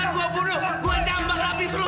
gue jambang abis lu